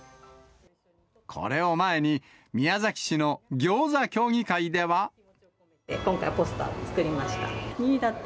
これを前に、今回はポスターを作りました。